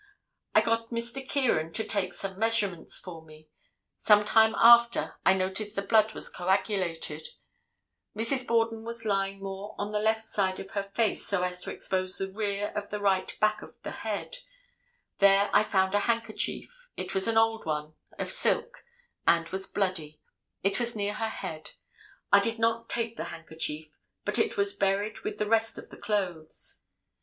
I got Mr. Kieran to take some measurements for me; some time after I noticed the blood was coagulated; Mrs. Borden was lying more on the left side of her face, so as to expose the rear of the right back of the head; there I found a handkerchief, it was an old one, of silk, and was bloody; it was near her head; I did not take the handkerchief, but it was buried with the rest of the clothes.